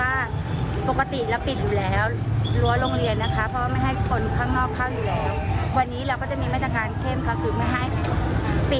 รั้วโรงเรียนนะคะเพราะว่าไม่ให้คนข้างนอกเข้าอยู่แล้ว